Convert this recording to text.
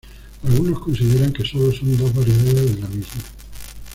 Algunos consideran que sólo son dos variedades de la misma.